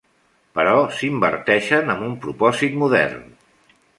Però s'inverteixen amb un propòsit modern.